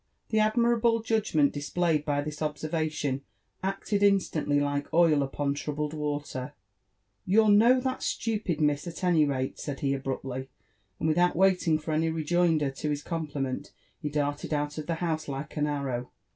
The admirable judgment displayed by this observation acted in stantly like oil upon troubled water. " You're no that stupid, miss, at any rate," said he abruptly ; and without waiting for any rejoinder to bis compliment, he darted out of the house like an arrow.